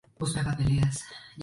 Tallos simples o poco ramificados.